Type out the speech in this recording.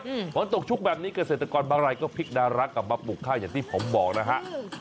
เพราะฉะนั้นตกชุกแบบนี้เกษตรกรบรรลัยก็พลิกดารักกับมาปลูกค่าอย่างที่ผมบอกนะฮะ